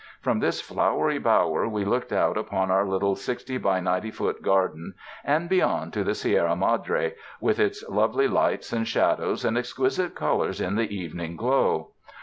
From this flowery bower we looked out upon our little 60 x 90 foot garden, and beyond to the Sierra Madre, with its lovely lights and shadows and exquisite colors in the evening glow.